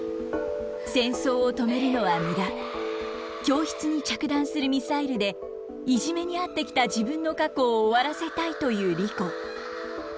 教室に着弾するミサイルでいじめにあってきた自分の過去を終わらせたいというリコ。